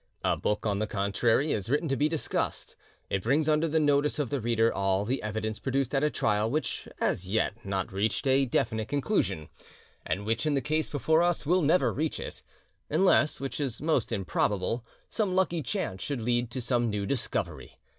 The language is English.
A book, on the contrary, is written to be discussed; it brings under the notice of the reader all the evidence produced at a trial which has as yet not reached a definite conclusion, and which in the case before us will never reach it, unless, which is most improbable, some lucky chance should lead to some new discovery.